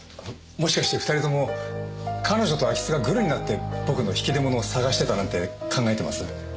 もしかして２人とも彼女と空き巣がグルになって僕の引き出物を捜してたなんて考えてます？